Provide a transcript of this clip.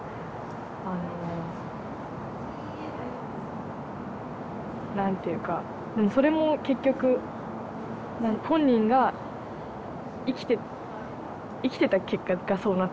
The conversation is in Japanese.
あの何ていうかそれも結局本人が生きて生きてた結果がそうなったっていうか。